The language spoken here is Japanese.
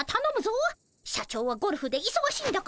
社長はゴルフでいそがしいんだからな。